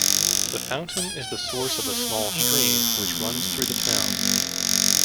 The fountain is the source of a small stream which runs through the town.